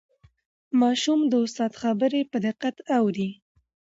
ماشوم د استاد خبرې په دقت اوري